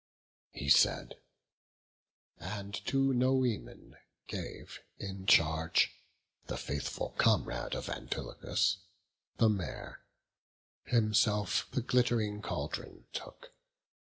He said, and to Noemon gave in charge, The faithful comrade of Antilochus, The mare; himself the glitt'ring caldron took.